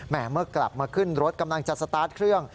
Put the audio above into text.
เมื่อกลับมาขึ้นรถกำลังจะสตาร์ทเครื่อง